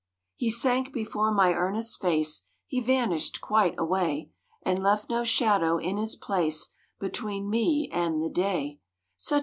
He sank before my earnest face, He vanished quite away, And left no shadow in his place Between me and the day.